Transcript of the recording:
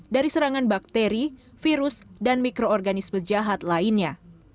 dari serangan bakteri virus dan mikroorganisme jahat lainnya